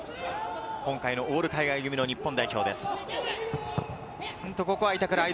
今回、オール海外組の日本代表です。